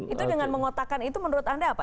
itu dengan mengotakkan itu menurut anda apa